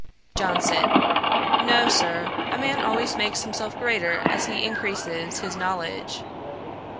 JOHNSON. 'No, Sir; a man always makes himself greater as he increases his knowledge.'